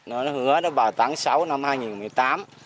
nó hứa nó vào tháng sáu năm hai nghìn một mươi tám